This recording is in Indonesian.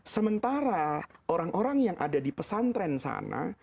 sementara orang orang yang ada di pesantren sana